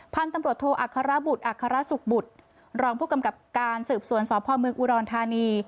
พันธุ์ตำรวจโทอัครบุตอัครสุขบุตรรองผู้กำกับการสืบสวนสพเมืองอุดรธานี